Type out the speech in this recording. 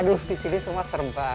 aduh di sini semua serba